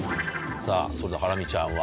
さぁそれではハラミちゃんは。